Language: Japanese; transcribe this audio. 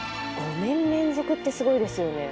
５年連続ってすごいですよね。